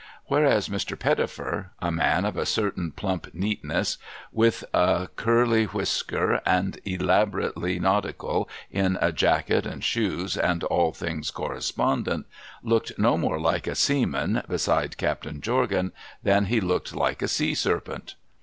Whereas Mr. Pettifer — a man of a certain plump neatness, with a 2 28 A MESSAGE FROM THE SEA (inly wliiskcr, and elaborately nautical in a jacket, and shoes, and all things correspondent — looked no more like a seaman, beside Captain Jorgan, than he looked like a sea serpent.